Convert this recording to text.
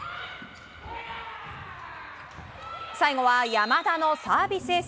最後は山田のサービスエース。